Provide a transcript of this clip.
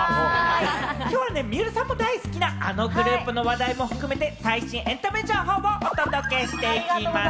きょうは水卜さんも大好きなあのグループの話題も含めて、最新エンタメ情報をお届けしていきます。